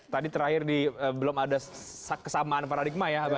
tadi terakhir belum ada kesamaan paradigma ya bang andre ya